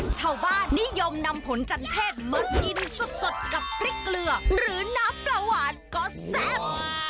ชาวบ้านนิยมนำผลจันเทศมากินสดกับพริกเกลือหรือน้ำปลาหวานก็แซ่บ